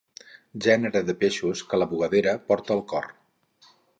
Gènere de peixos que la bugadera porta al cor.